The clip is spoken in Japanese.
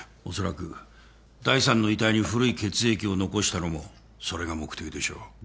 おそらく第３の遺体に古い血液を残したのもそれが目的でしょう。